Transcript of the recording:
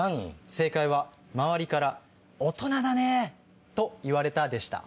正解は「周りから大人だね！と言われた」でした。